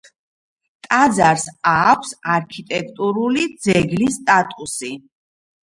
ტაძარს აქვს არქიტექტურული ძეგლის სტატუსი.